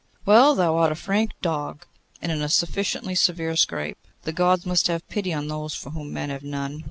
'Well, thou art a frank dog, and in a sufficiently severe scrape. The Gods must have pity on those for whom men have none.